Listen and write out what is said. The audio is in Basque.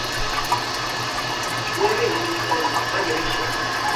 Larri ibili zen, bai horixe.